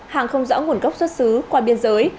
hàng không rõ nguồn gốc xuất xứ qua biên giới